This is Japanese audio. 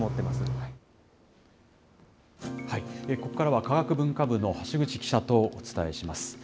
ここからは科学文化部の橋口記者とお伝えします。